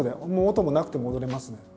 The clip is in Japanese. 音もなくても踊れますね。